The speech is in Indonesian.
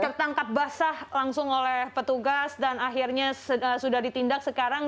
tertangkap basah langsung oleh petugas dan akhirnya sudah ditindak sekarang